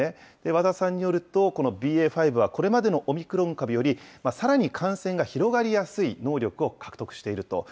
和田さんによると、このＢＡ．５は、これまでのオミクロン株より、さらに感染が広がりやすい能力を獲得していると。